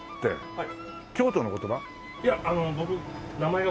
はい。